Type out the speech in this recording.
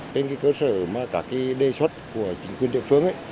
trên cơ sở mà cả đề xuất của chính quyền địa phương